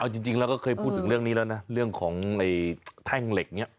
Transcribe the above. จริงแล้วก็เคยพูดถึงเรื่องนี้แล้วนะเรื่องของแท่งเหล็กเนี่ย